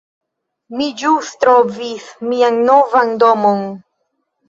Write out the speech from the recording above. Mi ĵus trovis mian novan domon